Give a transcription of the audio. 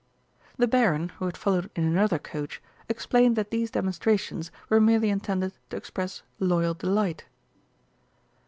The Baron, who had followed in another coach, explained that these demonstrations were merely intended to express loyal delight.